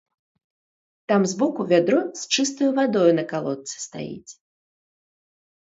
Там збоку вядро з чыстаю вадою на калодцы стаіць.